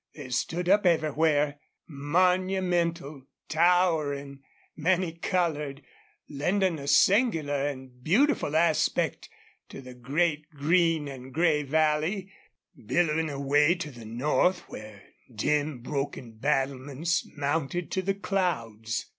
They stood up everywhere, monumental, towering, many colored, lending a singular and beautiful aspect to the great green and gray valley, billowing away to the north, where dim, broken battlements mounted to the clouds.